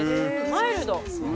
マイルド。